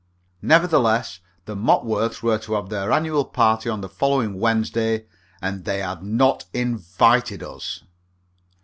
Nevertheless, the Mopworths were to have their annual party on the following Wednesday, and they had not invited us.